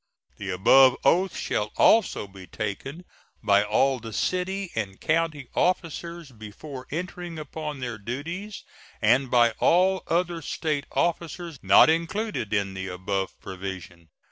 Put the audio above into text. The above oath shall also be taken by all the city and county officers before entering upon their duties, and by all other State officers not included in the above provision.